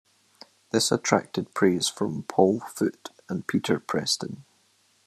This attracted praise from Paul Foot and Peter Preston.